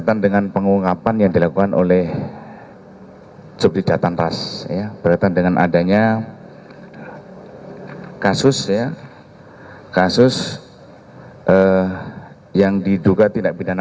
tahan dulu tahan